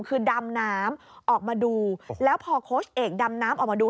คือดำน้ำออกมาดูแล้วพอโค้ชเอกดำน้ำออกมาดู